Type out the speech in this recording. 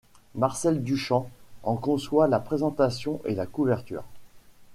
Marcel Duchamp en conçoit la présentation et la couverture.